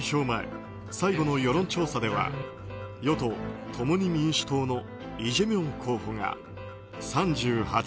前、最後の世論調査では与党・共に民主党のイ・ジェミョン候補が３８％。